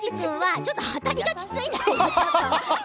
ちょっと当たりが強いな。